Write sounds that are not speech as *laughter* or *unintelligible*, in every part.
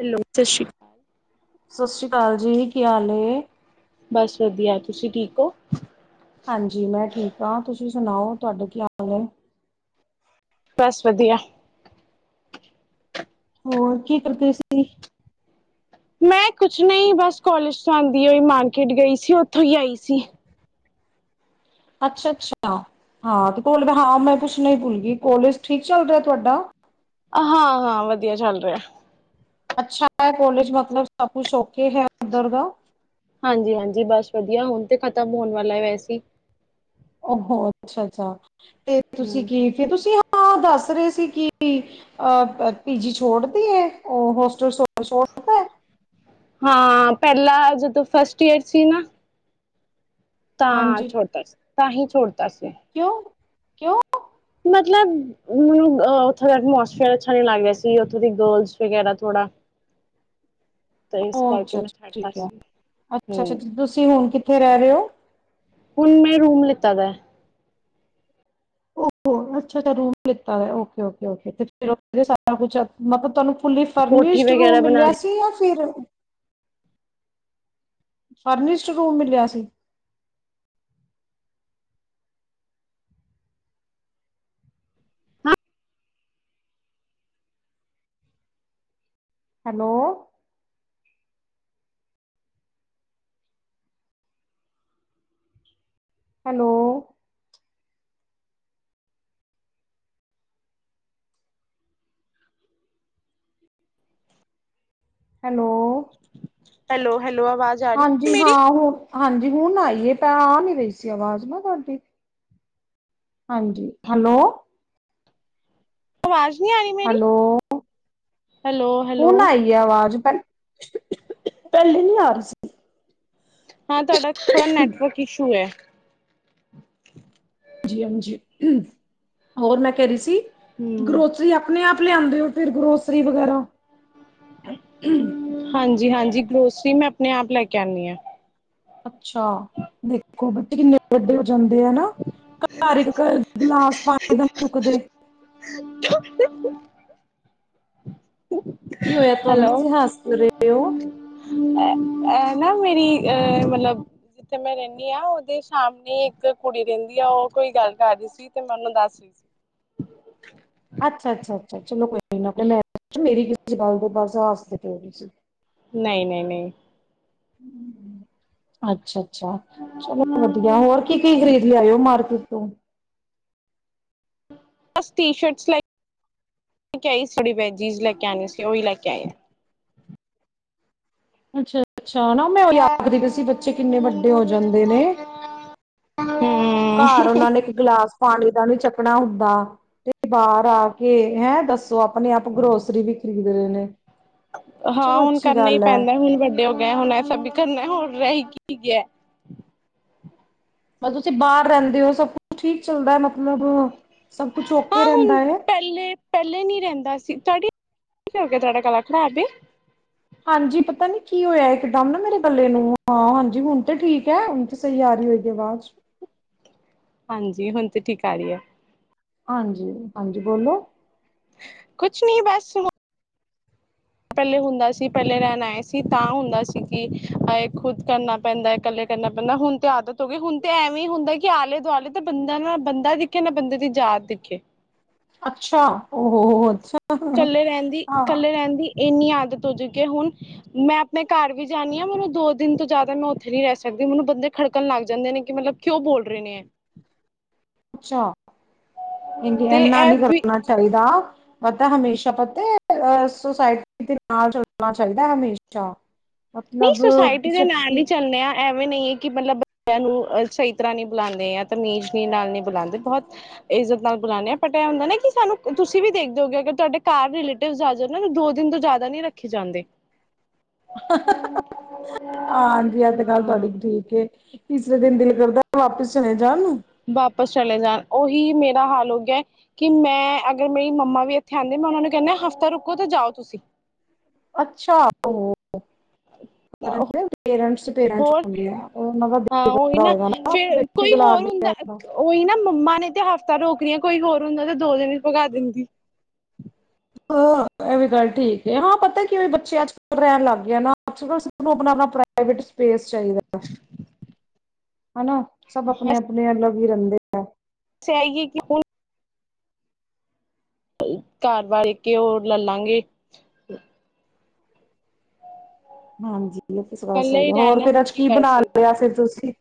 Hello, ਸਤਿ ਸ਼੍ਰੀ ਸਤਿ ਸ੍ਰੀ ਅਕਾਲ ਜੀ ਕੀ ਹਾਲ ਏ ਬਸ ਵਧੀਆ ਤੁਸੀਂ ਠੀਕ ਹੋ ਹਾਂਜੀ ਮੈਂ ਠੀਕ ਹਾਂ ਤੁਸੀਂ ਤੁਸੀਂ ਸੁਣਾਓ ਤੁਹਾਡਾ ਕੀ ਹਾਲ ਏ। ਬਸ ਵਧੀਆ ਹੋਰ ਕੀ ਕਰਦੇ ਸੀ ਮੈਂ ਕੁਛ ਨਹੀਂ ਬਸ ਕਾਲਜ ਤੋਂ ਆਉਂਦੀ ਹੋਈ ਮਾਰਕੀਟ ਗਈ ਸੀ ਉੱਥੋਂ ਹੀ ਆਈ ਸੀ ਅੱਛਾ ਅੱਛਾ ਹਾਂ ਤੇ ਕੋਲ ਹਾਂ ਮੈਂ ਕੁਛ ਨਹੀਂ ਭੁੱਲ ਗਈ ਕੋਲੇਜ ਠੀਕ ਚੱਲ ਰਿਹਾ ਤੁਹਾਡਾ ਹਾਂ ਹਾਂ ਵਧੀਆ ਚੱਲ ਰਿਹਾ ਅੱਛਾ ਹੈ ਕਾਲਜ ਮਤਲਬ ਸਭ ਕੁਛ ਔਕੇੇ ਹੈ ਉੱਧਰ ਦਾ ਹਾਂਜੀ ਹਾਂਜੀ ਬਸ ਵਧੀਆ ਹੁਣ ਤੇ ਖਤਮ ਹੋਣ ਵਾਲਾ ਹੈ ਵੈਸੇ ਹੋੋ ਅੱਛਾ ਅੱਛਾ ਤੇ ਤੁਸੀਂ ਹਮ। ਕੀ ਫੇਰ ਤੁਸੀਂ ਹਾਂ ਦੱਸ ਰਹੇ ਸੀ ਕਿ ਅ ਪੀਜੀ ਛੋੜਦੀ ਹੈ ਉਹ ਹੋਸਟਲ ਛੋੜਤਾ ਹੈ ਹਾਂ ਪਹਿਲਾਾਂ ਜ ਤੂੰ ਫਸਟ ਈਅਰ ਸੀ ਨਾ ਤਾਂ ਹਾਂਜੀ ਛੋਟਾ ਤਾਂ ਇਹ ਛੋੜਤਾ ਅੱਛਾ ਕਿਉਂ ਕਿਉਂ ਮਤਲਬ ਮੈਨੂੰ ਅ ਉੱਥੋਂ ਦਾ ਹੋਸਟਲ ਅੱਛਾ ਨੀ ਲੱਗ ਰਿਹਾ ਸੀ ਉੱਥੋਂ ਦੀ ਗਰਲਸ ਵਗੈਰਾ ਥੋੜਾ ਤੇ ਇਸ ਉਹ ਕਰਕੇ ਅੱਛਾ ਮੈਂ ਅੱਛਾ ਛੱਡਤਾ ਠੀਕ ਹੈ ਸੀ ਅੱਛਾ ਹਮ ਅੱਛਾ ਤੁਸੀਂ ਹੁਣ ਕਿ ਕਿੱਥੇ ਰਹਿ ਰਹੇ ਹੋ ਹੁਣ ਮੈਂ ਰੂਮ ਲਿੱਤਾ ਦਾ ਅੱਛਾ ਅੱਛਾ ਰੂਮ ਲਿੱਤਾ ਓਕੇ ਓਕੇ ਸਾਰਾ ਕੁਛ ਮਤਲਬ ਤੁਹਾਨੂੰ ਫੁੱਲੀ ਕੋਠੀ ਫਰਨਿਸ਼ਡ ਵਗੈਰਾ ਰੂਮ ਮਿਲਿਆ ਬਣਾਣੀ ਸੀ ਜਾਂ ਫਿਰ ਫਰਨਿਸ਼ਡ ਰੂਮ ਮਿਲਿਆ ਸੀ hello hello hello hello hello ਆਵਾਜ਼ ਆ ਰਹੀ ਹਾਂਜੀ ਹਾਂ ਉਹ ਹਾਂਜੀ ਹੁਣ ਆਈਏ ਤਾਂੈ ਆ ਨੀ ਰਹੀ ਸੀ ਆਵਾਜ਼ ਨਾ ਤੁਹਾਡੀ ਹਾਂਜੀ ਹੈਲੋ ਆਵਾਜ਼ ਨਹੀਂ ਆ ਰਹੀ ਮੇਰੀ ਹੈਲੋ ਹੈਲੋ ਹੈਲੋ ਹੁਣ ਆਈ ਆ ਆਵਾਜ਼ ਹੈਲੋ ਹਾਂ ਤੁਹਾਡਾ ਥੋੜਾ ਨੈਟਵਰਕ ਇਸ਼ੂ ਹੈ ਜੀ ਹਾਂਜੀ ਹੋਰ ਮੈਂ ਕਹਿ ਰਹੀ ਸੀ ਹਮ ਗਰੋਸਰੀ ਆਪਣੇ ਆਪ ਲਿਆਂਦੇ ਹੋ ਫਿਰ ਗਰੋਸਰੀ ਵਗੈਰਾ ਹਾਂਜੀ ਹਾਂਜੀ ਗਰੋਸਰੀ ਮੈਂ ਆਪਣੇ ਆਪ ਲੈ ਕੇ ਆਉਂਦੀ ਹਾਂ। ਅੱਛਾ ਦੇਖੋ। ਵੱਡੇ ਹੋ ਜਾਂਦੇ ਆ ਨਾ ਘਰ ਇੱਕ ਗਿਲਾਸ ਪਾਣੀ ਦਾ ਨੀ ਚੁੱਕਦੇ। ਕੀ ਹੋਇਆ ਤੁਹਾਨੂੰ ਤੁਸੀਂ ਹੱਸ ਰਹੇ। ਦਿਓ। ਇਹ ਨਾ ਮੇਰੀ ਅ ਮਤਲਬ ਜਿੱਥੇ ਮੈਂ ਰਹਿੰਦੀ ਹਾਂ ਉਹਦੇ ਸਾਹਮਣੇ ਇੱਕ ਕੁੜੀ ਰਹਿੰਦੀ ਆ ਉਹ ਕੋਈ ਗੱਲ ਕਰ ਰਹੀ ਸੀ ਤੇ ਮੈਂ ਉਹਨੂੰ ਦੱਸ ਰਹੀ ਸੀ। ਅੱਛਾ ਅੱਛਾ ਅੱਛ ਚਲੋ ਕੋਈ ਮੇਰੀ ਗ ਨਹੀਂ, ਨਹੀਂ, ਨਹੀਂ। ਅੱਛਾ। ਅੱਛਾ ਚਲੋ ਵਧੀਆ ਹੋਰ ਕੀ ਕੀ ਖਰੀਦ ਲਿਆਇਓ। ਮਾਰਕਿਟ ਤੋਂ। ਬਸ ਟੀ ਸ਼ਰਟ ਲੈ ਲੈ ਕੇ ਆਈ ਜੀਜ਼ ਲੈ ਕੇ ਆਉਣੀ ਸੀ ਉਹੀ ਲੈ ਕੇ ਆਏ ਆ। ਅੱਛਾ। ਅੱਛਾ ਨਾ ਮੈਂ ਉਹੀ ਆਖਦੀ ਸੀ ਬੱਚੇ ਕਿੰਨੇ ਵੱਡੇ ਹੋ ਜਾਂਦੇ ਨੇ ਹਮ ਘਰ ਉਹਨਾ ਨੇ ਇੱਕ ਗਲਾਸ ਪਾਣੀ ਦਾ ਨੀ ਚੱਕ ਆਪਣਾ ਹੁੰਦਾ ਤੇ ਬਾਹਰ ਆ ਕੇ ਹੈਂ ਦੱਸੋ ਆਪਣੇ ਆਪ ਗਰੋਸਰੀ ਵੀ ਖਰੀਦ ਰਹੇ ਨੇ। ਹਾਂ ਚਲੋ ਹੁਣ ਅੱਛੀ ਕਰਨਾ ਹੀ ਗੱਲ ਹੈ ਪੈਂਦਾ ਹੁਣ ਵੱਡਾ ਹੋ ਗਏ ਹੁਣ ਐਸਾ ਵੀ ਕਰਨਾ ਹੋਰ ਰਹੀ ਕੀ ਗਿਆ। ਮਤਲਬ ਤੁਸੀਂ ਬਾਹਰ ਰਹਿੰਦੇ ਹੋ ਸਭ ਕੁਛ ਠੀਕ ਚੱਲਦਾ ਮਤਲਬ ਸਭ ਕੁਛ ਓਕੇ ਹਾਂ ਰਹਿੰਦਾ ਹੁਣ ਹੈ ਪਹਿਲੇ ਪਹਿਲੇ ਨੀ ਰਹਿੰਦਾ ਸੀ ਤੁਹਾਡੀ ਕੀ ਹੋ ਗਿਆ ਤੁਹਾਡਾ ਗਲਾ ਖਰਾਬ ਆ? ਹਾਂਜੀ ਪਤਾ ਨੀ ਕੀ ਹੋਇਆ ਇਕਦਮ ਨਾ ਮੇਰੇ ਗੱਲੇ ਨੂੰ ਹਾਂ ਹਾਂਜੀ ਹੁਣ ਤੇ ਠੀਕ ਹੈ ਹੁਣ ਤੇ ਸਹੀ ਆ ਰਹੀ ਹੋਏਗੀ ਆਵਾਜ। ਹਾਂਜੀ ਹੁਣ ਤੇ ਠੀਕ ਆ ਰਹੀ ਹੈ। ਹਾਂਜੀ, ਹਾਂਜੀ ਬੋਲੋ। ਕੁਛ ਨਹੀਂ ਬਸ। ਪਹਿਲੇ ਹੁੰਦਾ ਸੀ ਪਹਿਲੇ ਰਹਿਣ ਆਏ ਸੀ ਤਾਂ ਹੁੰਦਾ ਸੀ ਕਿ ਇਹ ਖੁੱਦ ਕਰਨਾ ਪੈਂਦਾ ਇਕੱਲੇ ਕਰਨਾ ਪੈਂਦਾ ਹੁਣ ਤੇ ਆਦਤ ਹੋ ਗਈ ਹੁਣ ਤੇ ਐਵੇਂ ਹੁੰਦਾ ਕਿ ਆਲੇ ਦੁਆਲੇ ਤੇ ਬੰਦਾ ਨਾ ਬੰਦਾ ਦਿਖੇ ਨਾ ਬੰਦੇ ਦੀ ਜਾਤ ਦਿਖੇ। ਅੱਛਾ ਹੋ ਅੱਛਾ। ਇਕੱਲੇ ਰਹਿੰਦੀ ਹਾਂ ਇਕੱਲੇ ਰਹਿੰਦੀ ਇੰਨੀ ਆਦਤ ਹੋ ਚੁਕੀ ਹੈ ਹੁਣ ਮੈਂ ਆਪਣੇ ਘਰ ਵੀ ਜਾਣੀ ਹਾਂ ਮੈਨੂੰ ਦੋ ਦਿਨ ਤੋਂ ਜ਼ਿਆਦਾ ਮੈਂ ਉੱਥੇ ਨੀ ਰਹਿ ਸਕਦੀ ਮੈਨੂੰ ਬੰਦੇ ਖੜਕਣ ਲੱਗ ਜਾਂਦੇ ਨੇ ਕਿ ਮਤਲਬ ਕਿਉਂ ਬੋਲ ਰਹੇ ਨੇ ਹੈ। ਅੱਛਾ ਤੇ ਇਨਾ ਇਹ ਨਹੀਂ ਵੀ ਕਰਨਾ ਚਾਹੀਦਾ। ਤਾਂ ਹਮੇਸ਼ਾ ਪਤਾ ਅਹ ਸੁਸਾਇਟੀ ਦੇ ਨਾਲ ਚੱਲਣਾ ਚਾਹੀਦਾ ਹਮੇਸ਼ਾ। ਨਹੀਂ ਮਤਲਬ ਸੁਸਾਇਟੀ ਤੁਸੀਂ ਦੇ ਨਾਲ ਆਪਣੀ। ਹੀ ਚੱਲਣੇ ਆ। ਨਹੀਂ ਮਤਲਬ ਨੂੰ ਸਹੀ ਤਰ੍ਹਾਂ ਨੀ ਬੁਲਾਂਦੇ ਤਮੀਜ਼ ਨਾਲ ਨੀ ਬੁਲਾਂਦੇ ਬਹੁਤ ਇਜਤ ਨਾਲ ਬੁਲਾਂਦੇ ਆ ਬਟ ਇਹ ਹੁੰਦਾ ਨਾ ਸਾਨੂੰ ਤੁਸੀਂ ਵੀ ਦੇਖਦੇ ਹੋਗੇ ਤੁਹਾਡੇ ਘਰ ਰਿਲੇਟਿਵ ਦੋ ਦਿਨ ਤੋਂ ਜ਼ਿਆਦਾ ਨੀ ਰੱਖੇ ਜਾਂਦੇ। ਹਾਂਜੀ ਐਤ ਗੱਲ ਹਾਂ। ਤੁਹਾਡੀ ਠੀਕ। ਤੀਸਰੇ ਦਿਨ ਦਿਲ ਕਰਦਾ ਵਾਪਿਸ ਚਲੇ ਜਾਣ ਨੂੰ। ਵਾਪਿਸ ਚਲੇ ਜਾਣ ਉਹੀ ਮੇਰਾ ਹਾਲ ਹੋ ਗਿਆ ਕਿ ਮੈਂ ਅਗਰ ਮੇਰੀ ਮੰਮਾ ਵੀ ਇੱਥੇ ਆਉਂਦੇ ਮੈਂ ਉਹਨਾ ਨੂੰ ਕਹਿੰਦਾ ਹਫ਼ਤਾ ਰੁਕੋ ਤੇ ਜਾਓ ਤੁਸੀਂ। ਅੱਛਾ! ਹੋ। ਹੋਰ ਹਾਂ ਉਹੀ ਬੇਟਾ ਨਾ ਹੋਏਗਾ ਫੇਰ ਬੇਟੀ ਕੋਈ ਕੋਲ ਆ ਹੋਰ ਗਿਆ ਹੁੰਦਾ ਹਾਂ ਉਹੀ ਨਾ ਮੰਮਾ ਨੇ ਤੇ ਹਫ਼ਤਾ ਰੋਕਣੀਆਂ ਕੋਈ ਹੋਰ ਹੁੰਦਾ ਦੋ ਦਿਨ ਚ ਹੀ ਭਗਾ ਦਿੰਦੀ ਹ ਇਹ ਵੀ ਗੱਲ ਠੀਕ ਹੈ ਹਾਂ ਪਤਾ ਕਿ ਬੱਚੇ ਅੱਜ ਕੱਲ ਰਹਿਣ ਲੱਗ ਗਏ ਨਾ ਅਕ ਆਪਣਾ ਆਪਣਾ ਪ੍ਰਾਈਵੇਟ ਸਪੇਸ ਚਾਹੀਦਾ। ਹੈਨਾ। ਸਭ ਆਪਣੇ -ਆਪਣੇ ਅਲੱਗ ਵੀ ਰਹਿੰਦੇ ਹੈ। ਚਆਈਏ ਕਿ ਹੁਣ ਘਰ ਵਾਰ ਏਕੇ ਹੋਰ ਲੇ ਲਾਂਗੇ। ਹਾਂਜੀ। ਗੱਲ ਇਕੱਲੇ ਸਹੀ ਹੀ ਹੈ ਹੋਰ ਰਹਿਣਾ ਫਿਰ ਹੁਣ ਅੱਜ ਕੀ ਕਰ ਬਣਾ ਸਕਦੇ ਲਿਆ ਫੇਰ ਤੁਸੀਂ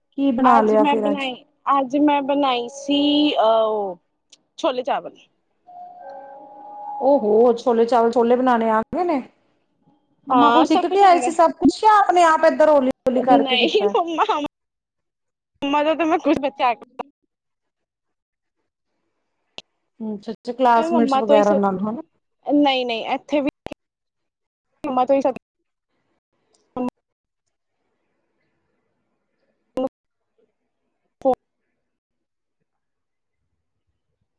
ਕੀ ਬਣਾ ਅੱਜ ਲਿਆ ਮੈਂ ਫਿਰ ਅੱਜ ਬਣਾਈ, ਅੱਜ ਮੈਂ ਬਣਾਈ ਸੀ। ਅ -ਔ ਛੋਲੇ ਚਾਵਲ, ਉਹਹੋ ਛੋਲੇ ਚਾਵਲ, ਛੋਲੇ ਬਣਾਣੇ ਆਂਦੇ ਨੇ। ਮੰਮਾ ਕੋਲ ਹਾਂ ਸਿੱਖ ਸਭ ਕੇ ਕੁਛ ਆਏ ਆਉਂਦਾ ਸੀ ਸਭ ਕੁੱਝ ਯਾ ਆਪਣੇ -ਆਪ ਏਧਰ ਹੌਲੀ ਹੌਲੀ ਕਰਕੇ ਨਹੀਂ ਕੀਤਾ ਮੰਮਾ - ਮੰਮਾ ਦਾ ਮੈਂ ਕੁਛ ਬੱਚਾ ਆ ਕੇ ਹਮ, ਮੰਮਾ ਤੋਂ ਹੀ ਸਬ ਨਹੀਂ -ਨਹੀਂ ਇੱਥੇ ਵੀ ਮੰਮਾ ਤੋਂ ਹੀ ਸਭ *unintelligible*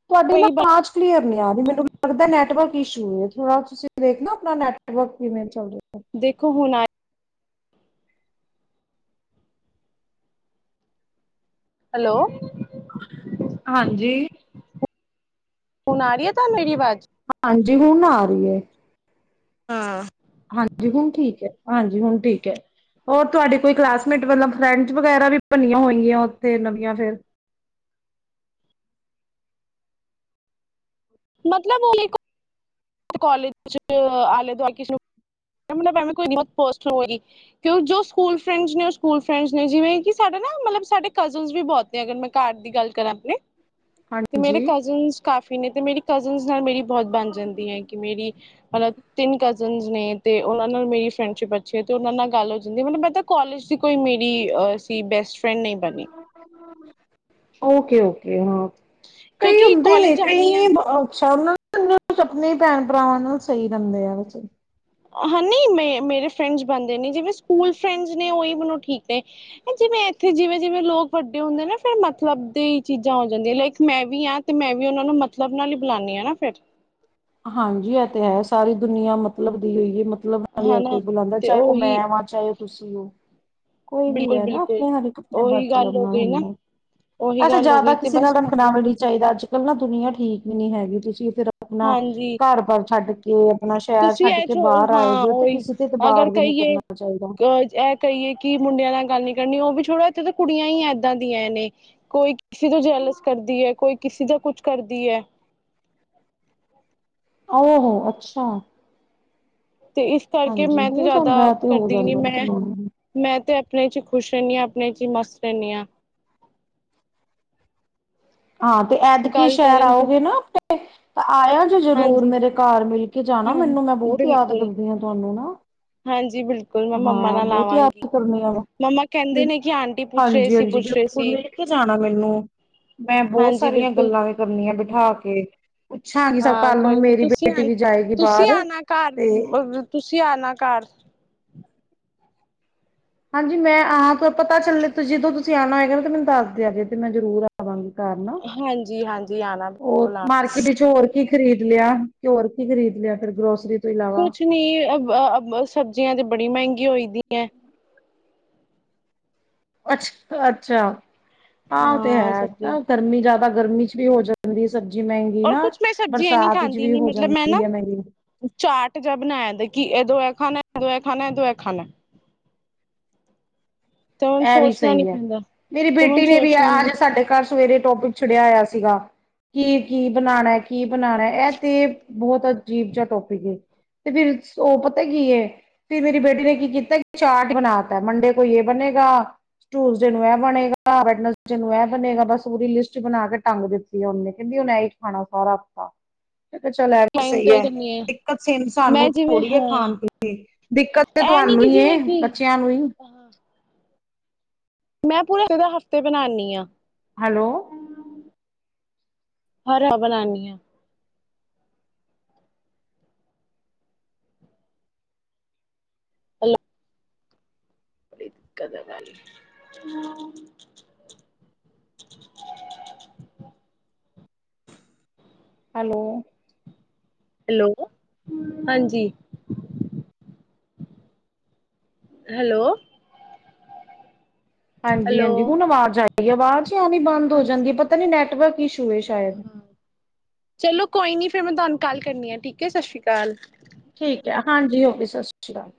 ਤੁਹਾਡੀ ਨਾ ਕੋਈ ਅਵਾਜ ਕਲੀਅਰ ਨੀ ਆ ਰਹੀ ਮੈਨੂੰ ਲੱਗਦੈ ਨੈਟਵਰਕ ਇਸ਼ੂ ਥੋੜ੍ਹਾ ਤੁਸੀਂ ਦੇਖਨਾ ਆਪਣਾ ਨੈਟਵਰਕ ਕਿਵੇੇ ਚੱਲ ਰਿਹਾ। ਦੇਖੋ ਹੁਣ ਆ ਹੈਲੋ, ਹਾਂਜੀ। ਹੁਣ ਆ ਰਹੀ ਹੈ ਤਾਂ ਨੂੰ ਮੇਰੀ ਆਵਾਜ਼ ਹਾਂ, ਜੀ ਹੁਣ ਆ ਰਹੀ ਹੈ। ਹਾਂ, ਹਾਂਜੀ। ਹੁਣ ਠੀਕ ਹੈ, ਹਾਂਜੀ ਹੁਣ ਠੀਕ ਹੈ, ਹੋਰ ਤੁਹਾਡੇ ਕੋਈ ਕਲਾਸਮੇਟ ਮਤਲਬ ਫਰੈਂਡਸ ਵਗੈਰਾ ਵੀ ਬਨੀਆਂ ਹੋਇਗੀਆਂ ਉੱਥੇ ਨਵੀਆਂ ਫੇਰ ਮਤਲਬ ਉਹ ਲੇਕੋ ਕਾਲਜ ਆਲੇ- ਦੁਆਲੇ *unintelligible* ਜੋ ਸਕੂਲ ਫਰੈਂਡਜ ਨੇ ਓਹ ਸਕੂਲ ਫਰੈਂਡਜ ਨੇ ਜਿਵੇ ਕਿ ਸਾਡੇ ਨਾ ਮਤਲਬ ਕੀ ਸਾਡੇ ਨ ਕਜ਼ਨਸ ਵੀ ਬਹੁਤ ਨੇ ਜੇ ਮੈਂ ਘਰ ਦੀ ਗਲ ਕਰਾਂ ਆਪਣੇ ਤੇ ਮੇਰੇ ਹਾਂਜੀ ਕਜ਼ਨ ਕਾਫੀ ਇਨੇ ਤੇ ਮੇਰੀ ਕਜ਼ਨ ਨਾਲ ਮੇਰੀ ਬਹੁਤ ਬਣ ਜਾਂਦੀ ਹੈ। ਕਿ ਮੇਰੀ ਮਤਲਬ ਤਿੰਨ ਕਜ਼ਨ ਨੇ ਤੇ ਉਹਨਾਂ ਨਾਲ ਮੇਰੀ ਫਰੈਂਡਸ਼ਿਪ ਅੱਛੀ ਹੈ ਤੇ ਉਹਨਾਂ ਨਾਲ ਗੱਲ ਹੋ ਜਾਂਦੀ ਹੈ ਮਤਲਬ ਮੈਂ ਤਾਂ ਕਾਲੇਜ ਦੀ ਕੋਈ ਮੇਰੀ ਅ ਸੀ ਬੈਸਟ ਫਰੈਂਡ ਨਹੀਂ ਬਣੀ ਓਕ। ਓਕੇ- ਓਕੇ, ਹਾਂ। ਕਈ ਕਿਉਂਕਿ ਹਦੇ ਕਾਲਜ ਨੇ ਕਈ ਜਾਂਦੀ ਹਾਂ ਨੇ ਬ ਅੱਛਾ ਉਹਨਾ ਨ ਆਪਣੇ ਭੈਣ ਭਰਾਵਾਂ ਨਾਲ ਸਹੀ ਰਹਿੰਦੇ ਆ ਵੇ ਹਾ ਨੀ ਮ ਮੇਰੇ ਫਰੈਂਡਸ ਬਣਦੇ ਨੇ ਜਿਵੇ ਸਕੂਲ ਫੈਂਡ ਨੇ ਉਹੀ ਮੈਨੂੰ ਠੀਕ ਨੇ ਜਿਵੇ ਇਥੇ ਜਿਵੇ ਜਿਵੇਂ ਲੋਕ ਵੱਡੇ ਹੁੰਦੇ ਨੀ ਫੇਰ ਮਤਲਬ ਦੇ ਚੀਜ਼ਾਂ ਹੋ ਜਾਂਦੀਆਂ ਲਾਇਕ ਮੈਂ ਵੀ ਹਾਂ ਤੇ ਮੈਂ ਵੀ ਉਹ ਨੂੰ ਮਤਲਬ ਨਾਲ ਹੀ ਬੁਲਾਦੀ ਹਾ ਫੇਰ ਹਾਂਜੀ ਇਹ ਤੇ ਹੈ ਸਾਰੀ ਦੁਨੀਆਂ ਮਤਲਬ ਦੀ ਹੀ ਹੈ ਮਤਲਬ ਮਤਲਬ ਨਾਲ ਹਰ ਹਨਾ ਕੋਈ ਬੁਲਾਦਾ ਤੇ ਚਾਹੇ ਉਹ ਉਹੀ ਮੈਂ ਵਾਂ ਚਾਹੇ ਉਹ ਤੁਸੀਂ ਉਹ ਕੋਈ ਵੀ ਬਿਲਕੁਲ ਹੈ ਨਾ ਬਿਲਕੁਲ ਆਪਣੇ ਹਰੇਕ ਆਪਣੇ ਉਹੀ ਗੱਲ ਮਤਲਬ ਹੋ ਨਾਲ ਗਈ ਨਾ ਹੁੰਦਾ ਏ। ਉਹੀ ਅੱਛਾ ਗੱਲ ਹੋ ਜ਼ਿਆਦਾ ਗਈ ਤੇ ਕਿਸੇ ਨਾਲ ਬਸ ਰੱਖਣਾ ਮਤਲਬ ਵੀ ਨਹੀਂ ਚਾਹੀਦਾ ਅੱਜ। ਪਹਿਲਾ ਦੁਨੀਆਂ ਠੀਕ ਵੀ ਨੀ ਹੈਗੀ ਤੁਸੀਂ ਫਿਰ ਆਪਣਾ ਜੀ ਘਰ ਬਾਰ ਛੱਡ ਕੇ ਆਪਣਾ ਸ਼ਹਿਰ ਤੁਸੀਂ ਛੱਡ ਇਹ ਕੇ ਚ ਬਾਹਰ ਆਏ ਹਾਂ ਦੇ ਹੋ ਤੇ ਓਹੀ ਕਿਸੇ ਤੇ ਅਗਰ ਇਤਬਾਰ ਵੀ ਨਹੀਂ ਕਹੀਏ ਕਰਨਾ ਚਾਹੀਦਾ। ਅਹ ਇਹ ਕਹੀਏ ਕਿ ਮੁੰਡਿਆਂ ਨਾਲ ਗੱਲ ਨੀ ਕਰਨੀ ਉਹ ਛੋੜਾ ਇੱਥੇ ਤਾਂ ਕੁੜੀਆਂ ਹੀ ਏਦਾਂ ਦੀਆਂ ਨੇ ਕੋਈ ਕਿਸੇ ਦਾ ਜੈਲਸ ਕਰਦੀ ਹੈ ਕੋਈ ਕਿਸੇ ਦਾ ਕੁਛ ਕਰਦੀ ਹੈ। ਓ ਹੋ ਅੱਛਾ। ਤੇ ਇਸ ਕਰਕੇ ਹਾਂਜੀ ਮੈਂ ਤੇ ਹੋ ਜ਼ਿਆਦਾ ਜਾਂਦਾ ਹੈ ਤੇ ਹੋ ਕਰਦੀ ਨੀ। ਜਾਂਦਾ ਤੇ ਮੈਂ, ਨਹੀਂ। ਮੈਂ ਤੇ ਆਪਣੇ ਚ ਖੁਸ਼ ਰਹਿਣੀ ਹਾਂ ਆਪਣੇ ਚ ਮਸਤ ਰਹਿਣੀ ਹਾਂ। ਹਾਂ ਤੇ ਐਤਕੀ ਗੱਲ ਸ਼ਹਿਰ ਕਰਨ ਤੇ ਆਓਗੇ ਨਾ ਤਾਂ ਆਇਆ ਜੇ ਜਰੂਰ ਹਾਂਜੀ ਮੇਰੇ ਘਰ ਮਿਲ ਕੇ ਜਾਣਾ ਹਾਂ ਮੈਨੂੰ ਮੈਂ ਬਹੁਤ ਯਾਦ ਬਿਲਕੁਲ ਕਰਦੀ ਹਾਂ ਤੁਹਾਨੂੰ ਨਾ। ਹਾਂਜੀ ਬਿਲਕੁਲ ਮੈਂ ਮੰਮਾ ਹਾਂ ਨਾਲ ਬਹੁਤ ਯਾਦ ਆਵਾਂਗੀ ਕਰਨ ਆ ਮੰਮਾ ਵਾ ਕਹਿੰਦੇ ਨੇ ਕਿ ਆਂਟੀ ਪੁੱਛ ਰਹੇ ਹਾਂਜੀ ਸੀ ਹਾਂਜੀ ਪੁੱਛ ਰਹੇ ਬਿਲਕੁਲ ਸੀ ਮਿਲ ਕੇ ਜਾਣਾ ਮੈਨੂੰ ਮੈਂ ਬਹੁਤ ਹਾਂਜੀ ਸਾਰੀਆਂ ਬਿਲਕੁਲ ਗੱਲਾਂ ਵੀ ਕਰਨੀਆਂ। ਬਿਠਾਂ ਕੇ ਪੁੱਛਾਂਗੀ ਸਭ ਹਾਂ ਕੱਲ ਨੂੰ ਕੋਈ ਨੀ ਮੇਰੀ ਤੁਸੀਂ ਬੇਟੀ ਆ ਵੀ ਜਾਏਗੀ ਤੁਸੀਂ ਬਾਹਰ ਆਣਾ ਤੇ ਘਰ ਤੁਸੀਂ ਆਣਾ ਘਰ ਹਾਂਜੀ ਮੈਂ ਆਹਾਂ ਤੋਂ ਪਤਾ ਚੱਲੇ ਜਦੋਂ ਤੁਸੀਂ ਆਉਣਾ ਹੋਏਗਾ ਨਾ ਤੇ ਮੈਨੂੰ ਦੱਸ ਦਗੇੇ ਤੇ ਮੈਂ ਜ਼ਰੂਰ ਆਵਾਂਗੀ। ਘਰ ਨਾ ਹਾਂਜੀ ਹਾਂਜੀ ਆਣਾ ਹੋਰ ਬਿਲਕੁਲ ਆ ਮਾਰਕੀਟ ਚ ਹੋਰ ਕੀ ਖਰੀਦ ਲਿਆ ਘਿਓ ਰ ਕੀ ਖਰੀਦ ਲਿਆ ਫੇਿਰ ਗਰੋਸਰੀ ਤੋਂ ਇਲਾਵਾ ਕੁਛ ਨੀ ਸਬਜ਼ੀਆਂ ਤੇ ਬੜੀ ਮਹਿੰਗੀ ਹੋਈ ਦੀ। ਐ ਅੱਛ ਅੱਛਾ ਆਹੋ ਤੇ ਹਾਂ ਹੈ ਸਬਜ਼ੀਆਂ ਨਾ ਗਰਮੀ ਜ਼ਿਆਦਾ ਤਾਂ ਗਰਮੀ ਚ ਵੀ ਹੋ ਜਾਂਦੀ ਹੈ। ਔਰ ਕੁਛ ਮੈਂ ਸਬਜ਼ੀਆਂ ਇਹ ਨੀ ਖਾਂਦੀ ਵੀ ਨ ਹੋ ਮਤਲਬ ਮੈਂ ਨਾ ਜਾਂਦੀ ਹੈ ਮਹਿੰਗੀ ਚਾਟ ਜਿਹਾ ਬਣਾਇਆ ਦਾ ਕਿ ਇਹਦੋਂ ਹਨ ਦਆ ਖਾਨ ਦੋਆ ਖਾਨੇ ਤੇ ਹੁਣ ਇਹ ਵੀ ਸੋਚਣਾ ਨੀ ਸਹੀ ਹੈ ਪੈਂਦਾ ਮੇਰੀ ਤੇ ਹੁਣ ਬੇਟੀ ਨੇ ਵੀ ਸੋਚਣਾ ਨੀ ਅੱਜ ਸਾਡੇ ਘਰ ਸਵੇਰੇ ਟੋਪਿਕ ਛੱਡਿਆ ਹੋਇਆ ਸੀਗਾ ਕੀ ਕੀ ਬਣਾਉਣਾ ਕੀ ਬਣਾਉਣਾ ਇਹ ਤੇ ਬਹੁਤ ਅਜੀਬ ਜਿਹਾ ਟੋਪਿਕ ਏ ਤੇ ਫਿਰ ਉਹ ਪਤਾ ਕੀ ਫੇਰ ਮੇਰੀ ਬੇਟੀ ਨੇ ਕੀ ਕੀਤਾ ਚਾਟ ਬਣਾ ਤ ਮੰਡੇ ਕੋਈ ਇਹ ਬੰਨੇ ਗਾ ਟੂਸਡੇ ਨੂੰ ਇਹ ਬਣੇਗਾ ਵੈਡਨਸਡੇਅ ਨੂੰ ਇਹ ਬਣੇਗਾ ਬਸ ਪੂਰੀ ਲਿਸਟ ਬਣਾ ਕੇ ਟੰਗ ਦਿੱਤੀ ਆ ਉਹਨ ਨੇ ਕਹਿੰਦੀ ਉਹ ਇਹ ਹੀ ਖਾਣਾ ਸਾਰਾ ਹਫਤਾ ਮੈ ਕਿਹਾ ਚੱਲ ਇਹ ਵੀ ਟਾਈਮ ਸਹੀ ਤੇ ਹੈ ਕਰਨੀ ਦਿੱਕਤ ਸ ਮੈਂ ਸਾਨੂੰ ਜਿਵੇਂ ਥੋੜ੍ਹੀ ਹੈ ਹਾਂ ਖਾਣ ਪੀਣ ਦੀ ਦਿੱਕਤ ਤੇ ਇਹ ਨੀ ਤੁਹਾਨੂੰ ਕਿ ਜਿਵੇਂ ਹੀ ਕਿ ਬੱਚਿਆਂ ਨੂੰ ਹੀ। ਮੈਂ ਪੂਰੇ ਪੂਰਾ ਹਫ਼ਤੇ ਬਣਾਦੀ ਹਾਂ। ਹੈਲੋ ਹਰ ਹ ਬਣਾਾਨੀ ਹਾਂ ਹੈਲੋ ੜ ਕਦਗਾਾਲ ਹੈਲੋ ਹੈਲੋ ਹਾਂਜੀ ਹੈਲੋ ਹਾਂਜੀ ਹੈਲੋ ਹਾਂਜੀ ਹੁਣ ਅਵਾਜ਼ ਆਈ ਅਹੀ ਆਵਾਜ਼ ਿਆੀ ਬੰਦ ਹੋ ਹਾਂਜੀ ਜਾਂਦੀ ਹੈ ਪਤਾ ਨੀ ਨੈਟ ਨੈੱਟ ਵਰਕ ਇਸ਼ੂ ਹੈ ਸ਼ਾਇਦ। ਚਲੋ ਕੋਈ ਨੀ ਫੇਰ ਮੈਂ ਤੁਹਾਨੂੰ ਕਾਲ ਕਰਨੀ ਆ ਠੀਕ ਹੈ ਸਤਿ ਸ਼੍ਰੀ ਅਕਾਲ ਠੀਕ ਹੈ ਹਾਂਜੀ ਹੋ ਵੀ ਸਤਿ ਸ੍ਰੀ ਅਕਾਲ